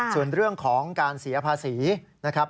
ส่วนเรื่องของการเสียภาษีนะครับ